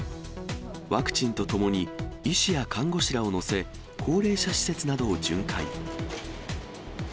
ワクチンと共に、医師や看護師らを乗せ、高齢者施設などを巡回。